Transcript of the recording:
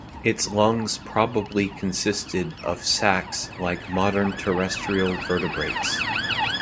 Its lungs probably consisted of sacs like modern terrestrial vertebrates.